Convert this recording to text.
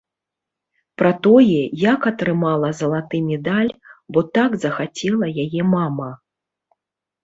Пра тое, як атрымала залаты медаль, бо так захацела яе мама.